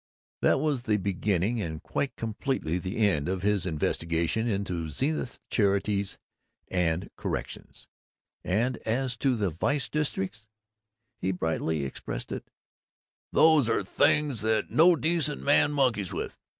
That was the beginning and quite completely the end of his investigations into Zenith's charities and corrections; and as to the "vice districts" he brightly expressed it, "Those are things that no decent man monkeys with.